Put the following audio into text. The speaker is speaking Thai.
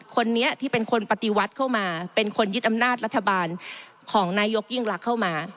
คนนี้ที่เป็นคนปฏิวัติเข้ามาเป็นคนยึดอำนาจรัฐบาลของนายกยิ่งรักเข้ามา